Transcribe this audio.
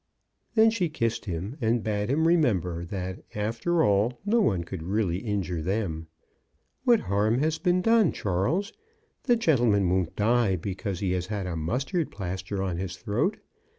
Then she kissed him, and bade him remember that, after all, no one could really injure them. What harm has been done, Charles? The gentleman won't die because he has had a mustard plaster on his throat.